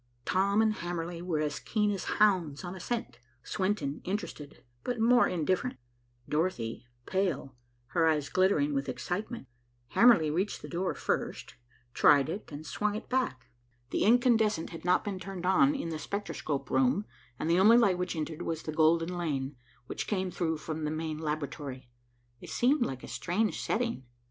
Tom and Hamerly were as keen as hounds on a scent, Swenton interested but more indifferent, Dorothy pale, her eyes glittering with excitement. Hamerly reached the door first, tried it and it swung back. The incandescent had not been turned on in the spectroscope room, and the only light which entered was the golden lane, which came through from the main laboratory. It seemed like a stage setting.